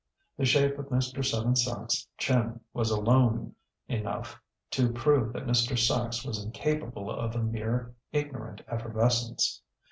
The shape of Mr. Seven Sachs' chin was alone enough to prove that Mr. Sachs was incapable of a mere ignorant effervescence.